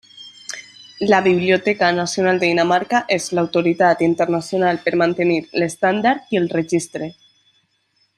La Biblioteca Nacional de Dinamarca és l'autoritat internacional per mantenir l'estàndard i el registre.